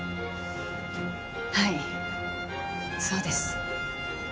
はいそうです。